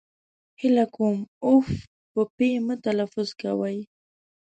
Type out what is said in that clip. هیله کوم اف په پي مه تلفظ کوی!